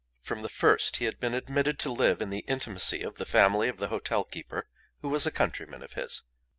From the first he had been admitted to live in the intimacy of the family of the hotel keeper who was a countryman of his.